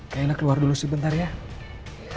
kailat keluar dulu sebentar ya